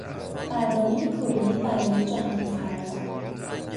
برنامهی کلی برای جهان فردا